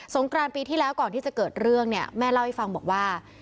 กรานปีที่แล้วก่อนที่จะเกิดเรื่องเนี่ยแม่เล่าให้ฟังบอกว่า